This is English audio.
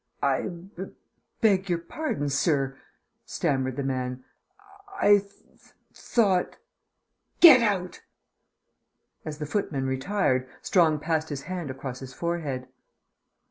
"I b beg your pardon, sir," stammered the man. "I th thought " "Get out!" As the footman retired, Strong passed his hand across his forehead.